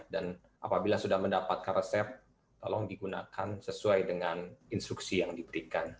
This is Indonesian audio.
dan apabila sudah mendapatkan resep tolong digunakan sesuai dengan instruksi yang diberikan